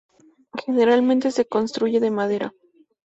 Generalmente se construye de madera.